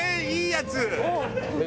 いいやつ。